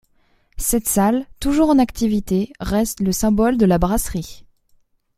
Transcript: Cette salle, toujours en activité, reste le symbole de la brasserie.